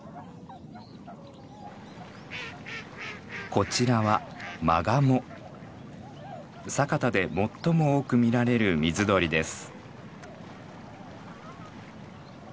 こちらは佐潟で最も多く見られる水鳥です。